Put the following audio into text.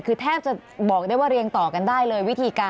คือแทบจะบอกได้ว่าเรียงต่อกันได้เลย